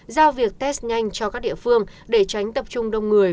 giao việc test nhanh cho các địa phương để tránh tập trung đông người